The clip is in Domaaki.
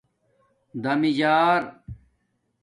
دمیجݴر